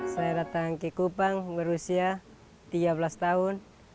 saya datang ke kupang berusia tiga belas tahun